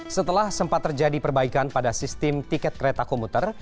setelah sempat terjadi perbaikan pada sistem tiket kereta komuter